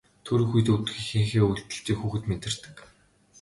Төрөх үед өвдөх эхийнхээ өвдөлтийг хүүхэд мэдэрдэг.